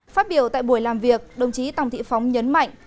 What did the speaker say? phát biểu tại buổi làm việc đồng chí tòng thị phóng nhấn mạnh